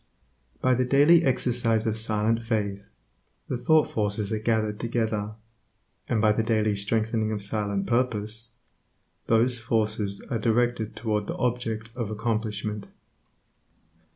By the daily exercise of silent faith, the thought forces are gathered together, and by the daily strengthening of silent purpose, those forces are directed toward the object of accomplishment.